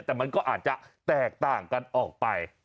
แต่มันก็อาจจะแตกต่างกันออกไป